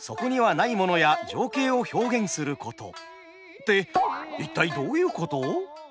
って一体どういうこと？